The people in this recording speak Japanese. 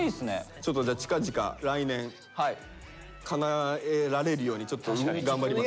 ちょっとじゃあ近々来年かなえられるようにちょっと頑張ります。